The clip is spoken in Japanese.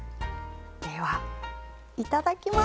ではいただきます。